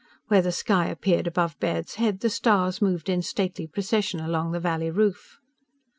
Where the sky appeared above Baird's head, the stars moved in stately procession across the valley roof.